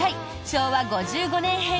昭和５５年編。